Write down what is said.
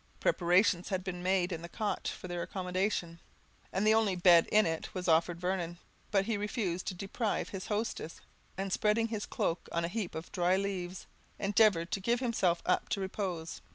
Preparations had been made in the cot for their accommodation, and the only bed in it was offered Vernon; but he refused to deprive his hostess, and spreading his cloak on a heap of dry leaves, endeavoured to give himself up to repose.